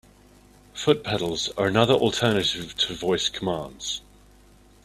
Foot pedals are another alternative to voice commands.